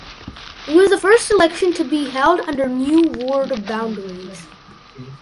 It was the first election to be held under new ward boundaries.